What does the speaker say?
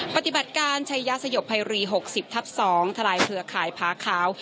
ปฏิบัติการใช้ยาสยบไพรีหกสิบทับสองทะลายเครือข่ายพาขาว